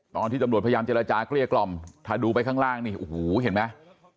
ตอนที่ตำรวจพยายามเจรจาเกลี้ยกล่อมถ้าดูไปข้างล่างนี่โอ้โหเห็นไหม